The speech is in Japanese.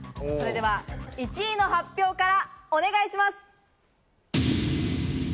１位の発表からお願いします。